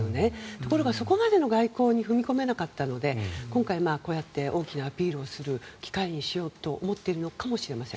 ところがそこまでの外交に踏み込めなかったので今回、こうやって大きなアピールをする機会にしようと思っているのかもしれません。